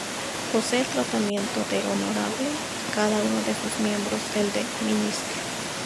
Posee el tratamiento de "Honorable", y cada uno de sus miembros, el de "Ministro".